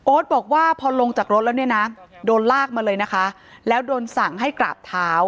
บอกว่าพอลงจากรถแล้วเนี่ยนะโดนลากมาเลยนะคะแล้วโดนสั่งให้กราบเท้า